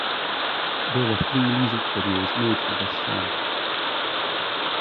There were three music videos made for this song.